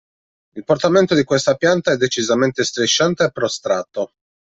Il portamento di questa pianta è decisamente strisciante e prostrato.